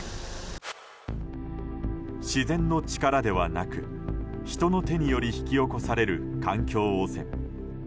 自然の力ではなく人の手により引き起こされる環境汚染。